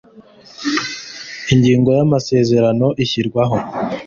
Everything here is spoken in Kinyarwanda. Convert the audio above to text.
ingingo ya amasezerano ashyirwaho